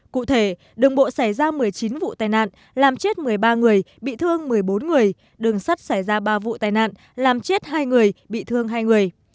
cụ thể đường bộ xảy ra một mươi chín vụ tai nạn làm chết một mươi ba người bị thương một mươi bốn người đường sắt xảy ra ba vụ tai nạn làm chết hai người bị thương hai người